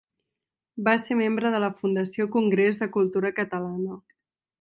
Va ser membre de la Fundació Congrés de Cultura Catalana.